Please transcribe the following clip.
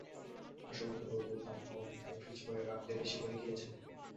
হাসিমুখে বললেন, দাম কম, তাই ফ্রিজ ভরে রাখতে বেশি করে কিনেছেন।